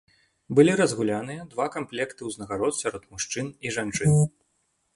Былі разгуляны два камплекты ўзнагарод сярод мужчын і жанчын.